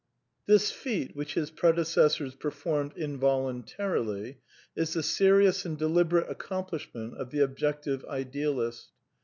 This feat which his predecessors performed involun tarily, is the serious and deliberate accomplishment of the Objective Idealist.